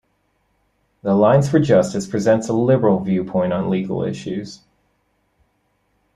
The Alliance for Justice presents a liberal viewpoint on legal issues.